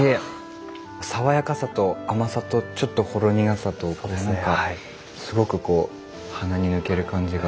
爽やかさと甘さとちょっとほろ苦さと何かすごくこう鼻に抜ける感じが。